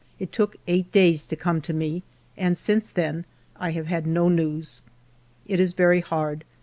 It took eight days to come to me, and since then I have had no news. It is very hard.